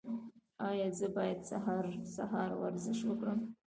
ایا زه باید سهار ورزش وکړم؟